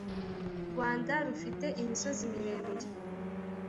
rwanda rufite imisozi miremire